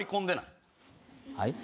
はい？